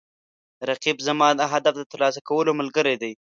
رقیب زما د هدف د ترلاسه کولو ملګری دی